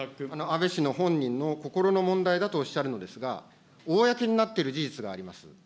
安倍氏の、本人の心の問題だとおっしゃるのですが、公になっている事実があります。